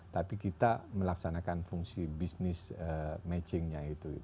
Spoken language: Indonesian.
tapi kita melaksanakan fungsi business matchingnya itu